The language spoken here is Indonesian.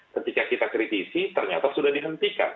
ketika kita kritisi ternyata sudah dihentikan